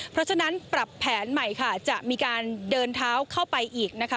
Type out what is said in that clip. เพราะฉะนั้นปรับแผนใหม่ค่ะจะมีการเดินเท้าเข้าไปอีกนะคะ